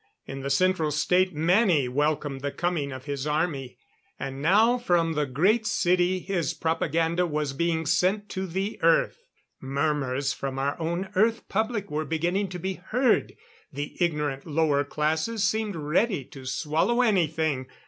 In the Central State many welcomed the coming of his army. And now from the Great City his propaganda was being sent to the Earth. Murmurs from our own Earth public were beginning to be heard. The ignorant lower classes seemed ready to swallow anything.